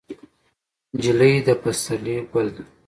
نجلۍ د پسرلي ګل ده.